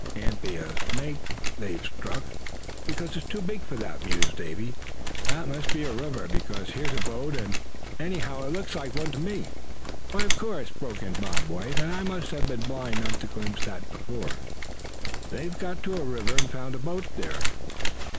Can't be a snake they've struck, because it's too big for that," mused Davy. "I know," remarked Smithy. "That must be a river, because here's a boat; anyhow, it looks like one to me." "Why, of course," broke in Bob White; "and I must have been blind not to have glimpsed that before. They've got to a river, and found a boat there.